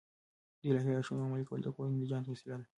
د الهي لارښوونو عملي کول د کور د نجات وسیله ده.